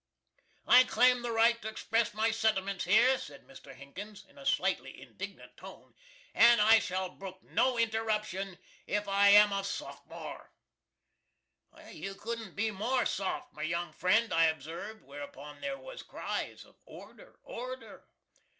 "I claim the right to express my sentiments here," said Mr. Hinkins, in a slightly indignant tone, "and I shall brook no interruption, if I am a Softmore." "You couldn't be MORE SOFT, my young friend," I observed, whereupon there was cries of Order! order!"